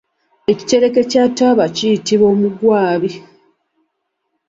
Ekitereke kya taaba kiyitibwa omugwabi.